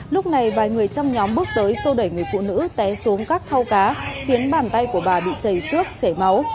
lúc này vài người trong nhóm bước tới sô đẩy người phụ nữ té xuống các thao cá khiến bàn tay của bà bị chảy xước chảy máu